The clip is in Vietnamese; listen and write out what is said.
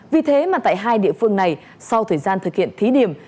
vì thế mà tại hai địa phương này sau thời gian thực hiện thí điểm